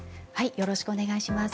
よろしくお願いします。